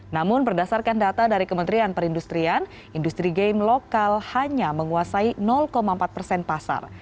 namun berdasarkan data dari kementerian perindustrian industri game lokal hanya menguasai empat persen pasar